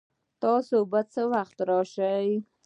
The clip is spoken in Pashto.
تاسو به څه وخت راشئ؟